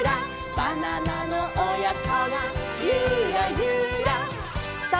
「バナナのおやこがユラユラ」さあ